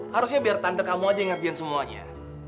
harusnya biar tante kamu aja yang ngertian semuanya